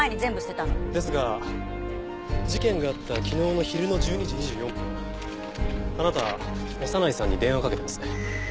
ですが事件があった昨日の昼の１２時２４分あなた長内さんに電話かけてますね？